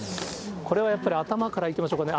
これはやっぱり頭からいきましょうかね。